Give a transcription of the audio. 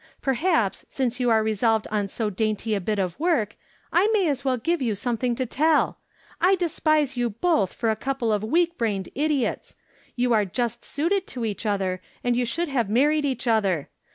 Perhaps, since you are resolved on so dainty a bit of work, I may as well give you something to tell. I despise you both for a couple of weak brained idiots. You are just suited to each other, and you should have mar ried each other.